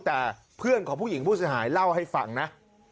แต่เพื่อนของผู้หญิงผู้เสียหายเล่าให้ฟังนะ